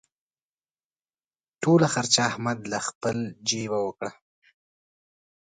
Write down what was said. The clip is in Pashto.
ټوله خرچه احمد له خپلې جېبه وکړه.